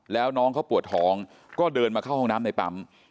แล้วน้องเขาปวดท้องก็เดินมาเข้าห้องน้ำในปั๊ม